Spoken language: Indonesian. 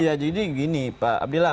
ya jadi gini pak abdillah